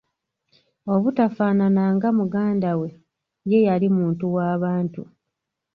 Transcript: Obutafaanana nga muganda we, ye yali muntu waabantu.